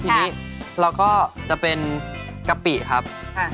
ทีนี้เราก็จะเป็นกะปิครับ